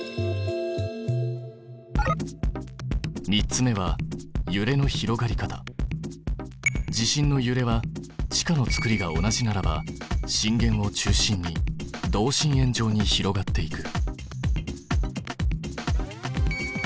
２つ目は実験装置で再現した地震のゆれは地下の作りが同じならば震源を中心に同心円状に広がっていく。